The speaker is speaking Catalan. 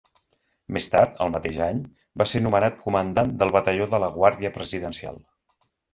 Més tard, el mateix any, va ser nomenat comandant del Batalló de la Guàrdia Presidencial.